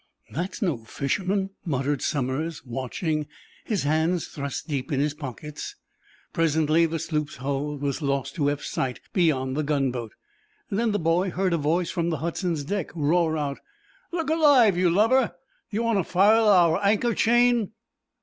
"That's no fisherman!" muttered Somers, watching, his hands thrust deep in his pockets. Presently the sloop's hull was lost to Eph's sight beyond the gunboat. Then the boy heard a voice from the "Hudson's" deck roar out: "Look alive, you lubber! Do you want to foul our anchor chain?"